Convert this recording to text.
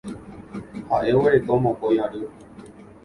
Ha'e oguereko mokõi ary.